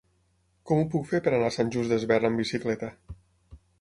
Com ho puc fer per anar a Sant Just Desvern amb bicicleta?